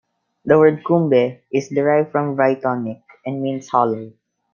The word "coombe" is derived from Brythonic, and means "hollow".